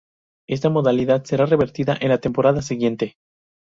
Esta modalidad será revertida en la temporada siguiente.